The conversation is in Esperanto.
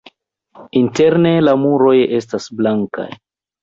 Interne la muroj estis blankaj.